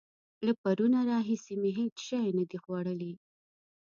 له پرونه راهسې مې هېڅ شی نه دي خوړلي.